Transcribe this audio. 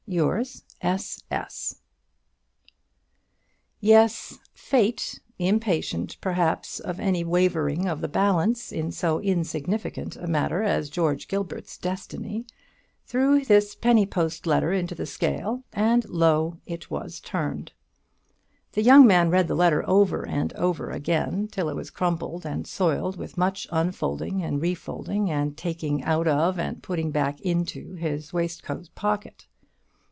Yours, S.S." Yes; Fate, impatient perhaps of any wavering of the balance in so insignificant a matter as George Gilbert's destiny, threw this penny post letter into the scale, and, lo! it was turned. The young man read the letter over and over again, till it was crumpled and soiled with much unfolding and refolding, and taking out of, and putting back into, his waistcoat pocket.